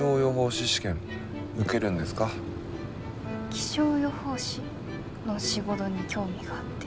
気象予報士の仕事に興味があって。